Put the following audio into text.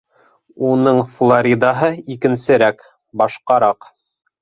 Уның Флоридаһы икенсерәк, башҡараҡ...